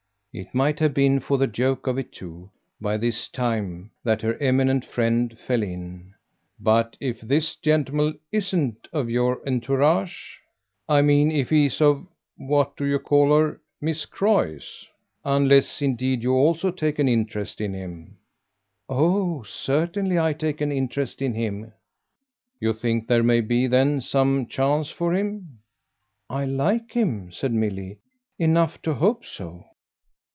It might have been for the joke of it too, by this time, that her eminent friend fell in. "But if this gentleman ISN'T of your 'entourage'? I mean if he's of what do you call her? Miss Croy's. Unless indeed you also take an interest in him." "Oh certainly I take an interest in him!" "You think there may be then some chance for him?" "I like him," said Milly, "enough to hope so."